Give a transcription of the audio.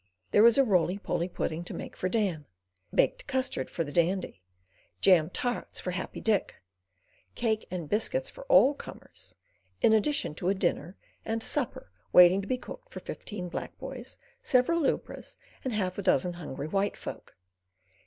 There was a roly poly pudding to make for Dan, baked custard for the Dandy, jam tarts for Happy Dick, cake and biscuits for all comers, in addition to a dinner and supper waiting to be cooked for fifteen black boys, several lubras, and half a dozen hungry white folk.